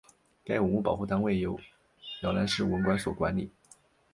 该文物保护单位由洮南市文管所管理。